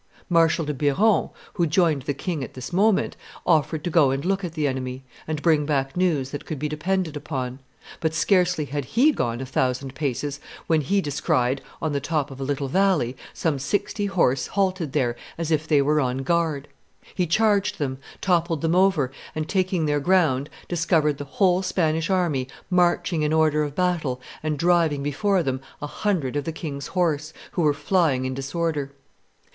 Marshal de Biron, who joined the king at this moment, offered to go and look at the enemy, and bring back news that could be depended upon; but scarcely had he gone a thousand paces when he descried, on the top of a little valley, some sixty horse halted there as if they were on guard; he charged them, toppled them over, and taking their ground, discovered the whole Spanish army marching in order of battle and driving before them a hundred of the king's horse, who were flying in disorder.